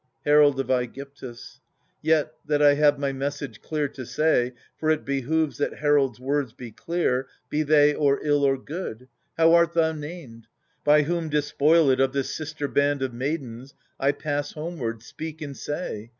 Herald of ^gyptus. Yet, that I have my message clear to say (For it behoves that heralds' words be clear, Be they or ill or good), how art thou named ? By whom despoiled of this sister band Of maidens, I pass homeward — speak and say.